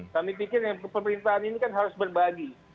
kami pikir pemerintahan ini kan harus berbagi